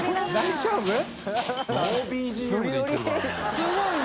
すごいね。